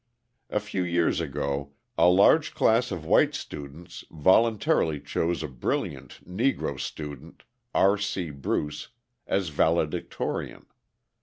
A few years ago a large class of white students voluntarily chose a brilliant Negro student, R. C. Bruce, as valedictorian.